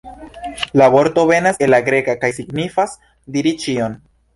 La vorto venas el la greka kaj signifas "diri ĉion".